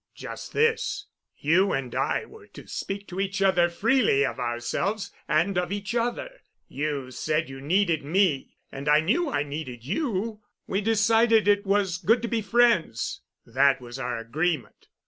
"Just this: You and I were to speak to each other freely of ourselves and of each other. You said you needed me, and I knew I needed you. We decided it was good to be friends. That was our agreement.